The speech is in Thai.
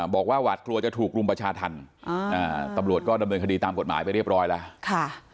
บอกว่าหวาดกลัวจะถูกรุมประชาธรรมตำรวจก็ดำเนินคดีตามกฎหมายไปเรียบร้อยแล้ว